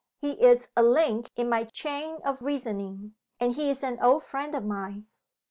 He is a link in my chain of reasoning; and he is an old friend of mine."